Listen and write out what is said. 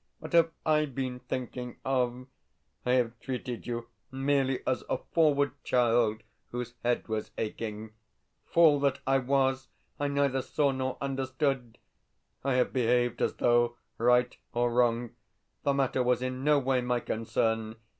What have I been thinking of? I have treated you merely as a forward child whose head was aching. Fool that I was, I neither saw nor understood. I have behaved as though, right or wrong, the matter was in no way my concern.